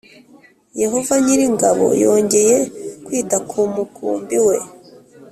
Yehova nyir’ingabo yongeye kwita ku mukumbi we